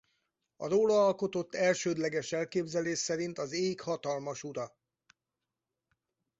A róla alkotott elsődleges elképzelés szerint az ég hatalmas ura.